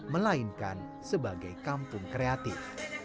melainkan sebagai kampung kreatif